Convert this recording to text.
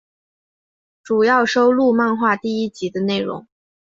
主要收录漫画第一集的内容。